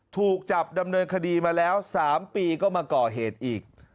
ถูกจับดำเนินคดีมาแล้ว๓ปีก็มาก่อเหตุอีก